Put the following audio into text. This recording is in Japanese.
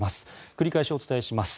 繰り返しお伝えします。